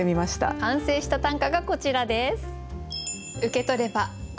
完成した短歌がこちらです。